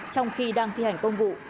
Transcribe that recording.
trong khi đang thi hành công vụ